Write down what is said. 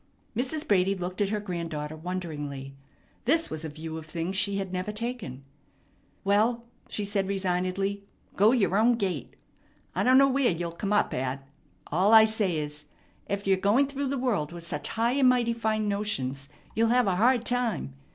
Mrs. Brady looked at her granddaughter wonderingly. This was a view of things she had never taken. "Well," said she resignedly, "go your own gait. I don't know where you'll come up at. All I say is, ef you're going through the world with such high and mighty fine notions, you'll have a hard time.